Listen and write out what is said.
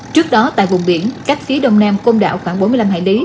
trước đó tại vùng biển cách phía đông nam côn đảo khoảng bốn mươi năm hải lý